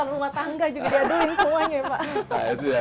rumah tangga juga diaduin semuanya ya pak